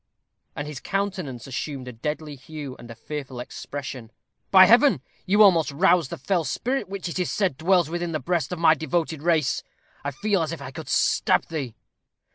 and his countenance assumed a deadly hue and fearful expression. "By Heaven, you almost rouse the fell spirit which it is said dwells within the breast of my devoted race. I feel as if I could stab thee."